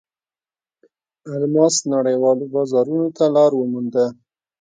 الماس نړیوالو بازارونو ته لار ومونده.